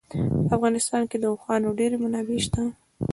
په افغانستان کې د اوښانو ډېرې منابع شته دي.